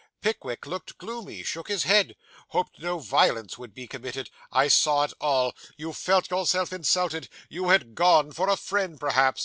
Pickwick looked gloomy. Shook his head. Hoped no violence would be committed. I saw it all. You felt yourself insulted. You had gone, for a friend perhaps.